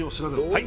はい！